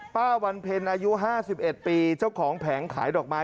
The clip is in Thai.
วันเพ็ญอายุ๕๑ปีเจ้าของแผงขายดอกไม้